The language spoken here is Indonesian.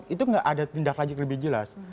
itu tidak ada tindak lagi lebih jelas